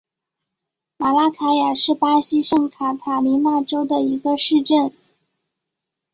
马拉卡雅是巴西圣卡塔琳娜州的一个市镇。